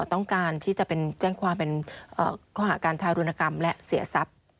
ต้องการที่จะเป็นแจ้งความเป็นข้อหาการทารุณกรรมและเสียทรัพย์